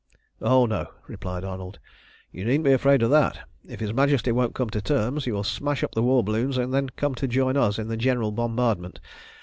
"Oh no," replied Arnold. "You needn't be afraid of that. If his Majesty won't come to terms, you will smash up the war balloons and then come and join us in the general bombardment.